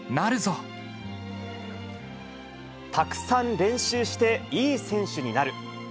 たくさん練習していい選手になる。